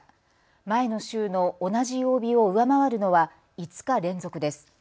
前の週の同じ曜日を上回るのは５日連続です。